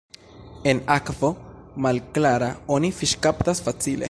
En akvo malklara oni fiŝkaptas facile.